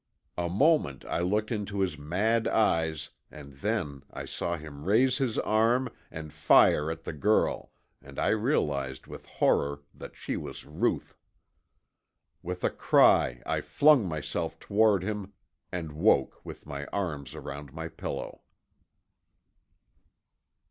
A moment I looked into his mad eyes and then I saw him raise his arm and fire at the girl and I realized with horror that she was Ruth. With a cry I flung myself toward him and woke with my arms around my pillow.